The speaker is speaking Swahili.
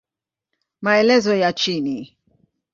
Maelezo ya chini